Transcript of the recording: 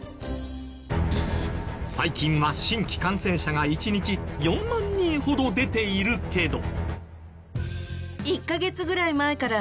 最近は新規感染者が１日４万人ほど出ているけど。